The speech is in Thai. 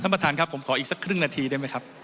ประธานครับผมขออีกสักครึ่งนาทีได้ไหมครับ